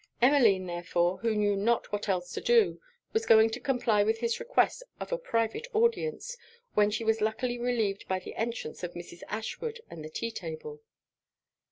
Emmeline therefore, who knew not what else to do, was going to comply with his request of a private audience, when she was luckily relieved by the entrance of Mrs. Ashwood and the tea table.